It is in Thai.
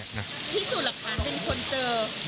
พี่สุดหลักฐานเป็นคนเจอ